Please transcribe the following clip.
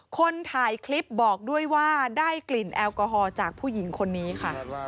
คนถ่ายคลิปบอกด้วยว่าได้กลิ่นแอลกอฮอล์จากผู้หญิงคนนี้ค่ะ